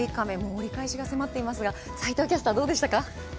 折り返しが迫っていますが斎藤キャスターどうでしたか。